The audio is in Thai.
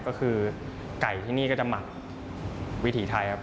ก็คือไก่ที่นี่ก็จะหมักวิถีไทยครับ